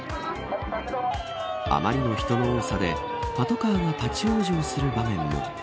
あまりの人の多さでパトカーが立ち往生する場面も。